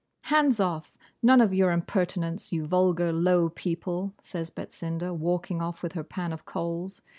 } 'Hands off; none of your impertinence, you vulgar, low people!' says Betsinda, walking off with her pan of coals.